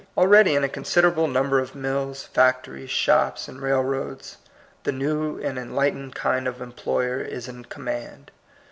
Already, in a considerable num ber of mills, factories, shops, and rail roads, the new and enlightened kind of employer is in command.